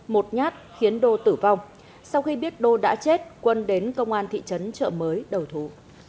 một nhát khiến đô tử vong sau khi biết đô đã chết quân đến công an thị trấn trợ mới đầu thú